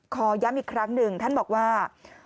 ขอย้ำอีกครั้งหนึ่งท่านบอกว่า